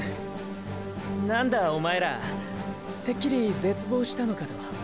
何だおまえらてっきり絶望したのかとーー。